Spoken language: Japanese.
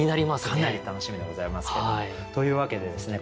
かなり楽しみでございますけども。というわけでですね